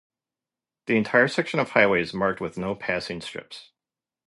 The entire section of highway is marked with no-passing stripes.